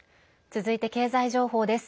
続いて経済情報です。